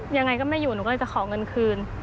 ยังไงก็ไม่อยู่หนูก็เลยจะขอเงินคืน